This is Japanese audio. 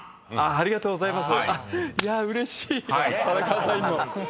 ありがとうございます。